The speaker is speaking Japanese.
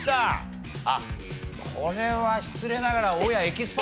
あっこれは失礼ながら。